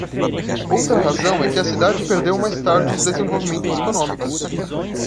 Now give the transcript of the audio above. Outra razão é que a cidade perdeu mais tarde os desenvolvimentos econômicos.